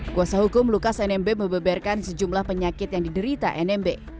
kuasa hukum lukas nmb membeberkan sejumlah penyakit yang diderita nmb